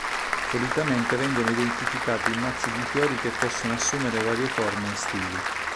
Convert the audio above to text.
Solitamente vengono identificati in mazzi di fiori che possono assumere varie forme e stili.